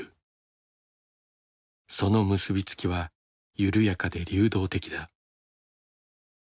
その結び付きは緩やかで流動的だ。